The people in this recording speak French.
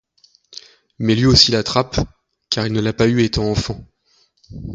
Mais lui aussi l'attrape car il ne l'a pas eue étant enfant.